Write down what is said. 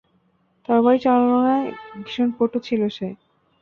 তরবারি চালনায় ভীষণ পটু ছিল সে।